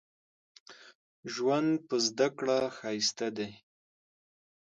ژوند په زده کړه ښايسته دې